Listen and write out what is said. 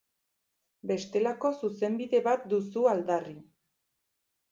Bestelako Zuzenbide bat duzu aldarri.